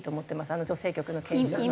あの女性局の研修は。